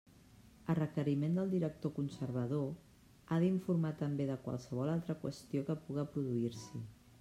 A requeriment del director-conservador, ha d'informar també de qualsevol altra qüestió que puga produir-s'hi.